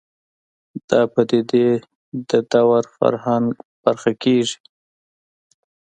دا پدیدې د دور فرهنګ برخه کېږي